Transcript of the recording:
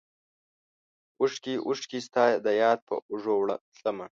اوښکې ، اوښکې ستا دیاد په اوږو تلمه